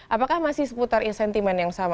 apakah masih seputar sentimen yang sama